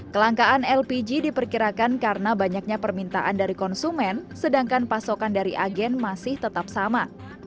kelangkaan lpg diperkirakan karena banyaknya permintaan dari konsumen sedangkan pasokan dari agen masih tetap sama